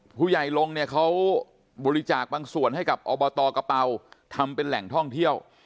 ผู้ใหญ่ลงเนี่ยเขาบริจาคบางส่วนให้กับอบตกระเป๋าทำเป็นแหล่งท่องเที่ยว